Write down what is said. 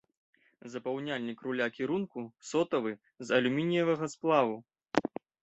Запаўняльнік руля кірунку сотавы з алюмініевага сплаву.